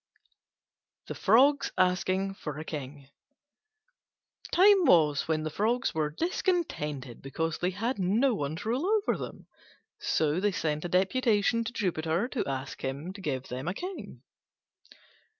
THE FROGS ASKING FOR A KING Time was when the Frogs were discontented because they had no one to rule over them: so they sent a deputation to Jupiter to ask him to give them a King.